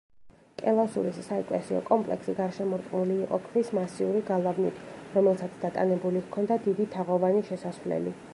კელასურის საეკლესიო კომპლექსი გარშემორტყმული იყო ქვის მასიური გალავნით, რომელსაც დატანებული ჰქონდა დიდი თაღოვანი შესასვლელი.